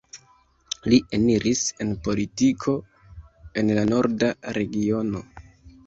Li eniris en politiko en la Norda Regiono.